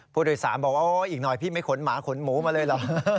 ผู้โดยสารบอกว่าอีกหน่อยพี่ไม่ขนหมาขนหมูมาเลยเหรอ